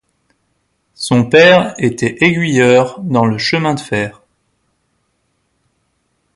Son père était aiguilleur dans le chemin de fer.